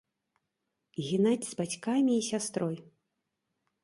Генадзь з бацькамі і сястрой.